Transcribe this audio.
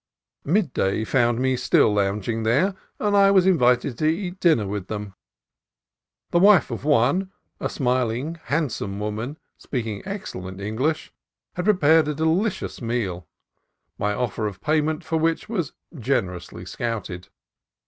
Midday found me still lounging there, and I was invited to eat dinner with them. The wife of one, a smiling, handsome woman, speaking excellent English, had prepared a delicious meal, my offer of payment for which was generously scouted.